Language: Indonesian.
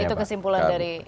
itu kesimpulan dari